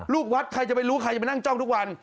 ลูกวัดใครจะไปรู้ใครจะไปนั่งจ้องทุกวัน